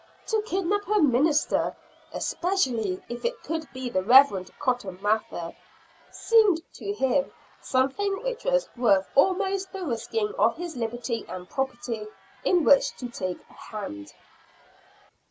To kidnap a minister especially if it could be the Reverend Cotton Mather seemed to him something which was worth almost the risking of his liberty and property in which to take a hand.